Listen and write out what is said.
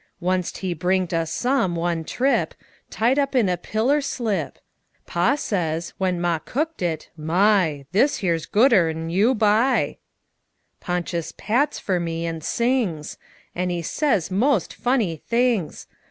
Wunst he bringed us some, one trip, Tied up in a piller slip: Pa says, when Ma cooked it, "MY! This here's gooder'n you buy!" Ponchus pats fer me an' sings; An' he says most funny things!